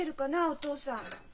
お父さん。